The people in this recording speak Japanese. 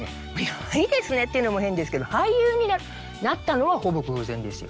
「ないですね」って言うのも変ですけど俳優になるなったのはほぼ偶然ですよ